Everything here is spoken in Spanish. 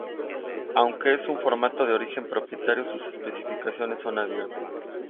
Aunque es un formato de origen propietario, sus especificaciones son abiertas.